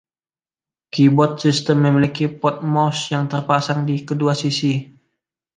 Keyboard sistem memiliki port mouse yang terpasang di kedua sisi.